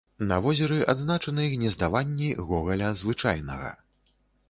На возеры адзначаны гнездаванні гогаля звычайнага.